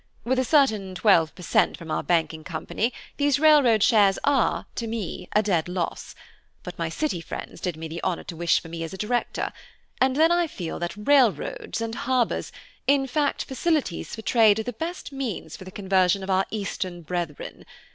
With a certain twelve per cent. from our Banking Company, these railroad shares are, to me, a dead loss; but my City friends did me the honour to wish for me as a director; and then I feel that railroads, and harbors–in fact, facilities for trade are the best means for the conversion of our Eastern brethren.